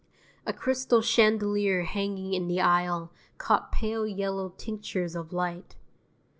A crystal chandelier hanging in the aisle caught pale yellow tinctures of light.